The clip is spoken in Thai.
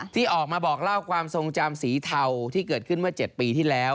ที่ออกมาบอกเล่าความทรงจำสีเทาที่เกิดขึ้นเมื่อ๗ปีที่แล้ว